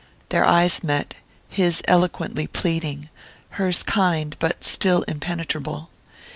Their eyes met, his eloquently pleading, hers kind but still impenetrable.